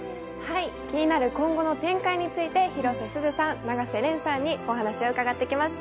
気になる今後の展開について、広瀬すずさん、永瀬廉さんにお話を伺ってきました。